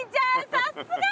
さっすが。